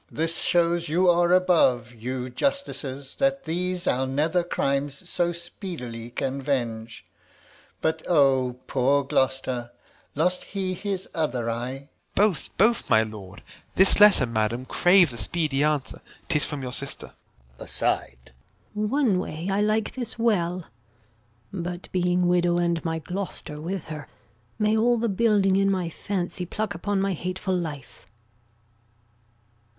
Alb. This shows you are above, You justicers, that these our nether crimes So speedily can venge! But O poor Gloucester! Lose he his other eye? Gent. Both, both, my lord. This letter, madam, craves a speedy answer. 'Tis from your sister. Gon. [aside] One way I like this well; But being widow, and my Gloucester with her, May all the building in my fancy pluck Upon my hateful life.